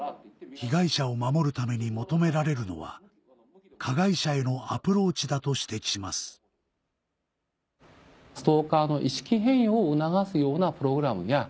被害者を守るために求められるのは加害者へのアプローチだと指摘しますアンガーマネジメント。